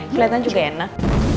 keliatan juga enak